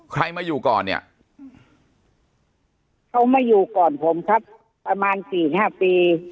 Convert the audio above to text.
ใครมาอยู่ก่อนเนี่ยเขามาอยู่ก่อนผมสักประมาณสี่ห้าปี